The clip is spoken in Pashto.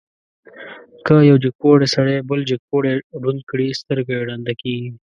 که یو جګپوړی سړی بل جګپوړی ړوند کړي، سترګه یې ړنده کېږي.